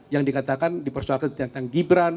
yang dikatakan dipersoalkan tentang gibran